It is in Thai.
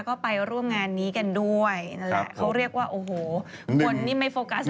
ก็ไปร่วมงานนี้กันด้วยนั่นแหละเขาเรียกว่าโอ้โหคนนี้ไม่โฟกัส